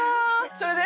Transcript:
それで？